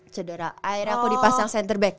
cedera air aku dipasang centerback